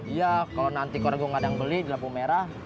iya kalau nanti kalau gue gak ada yang beli di lampu merah